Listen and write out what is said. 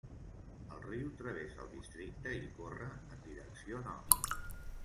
El riu travessa el districte i corre en direcció nord.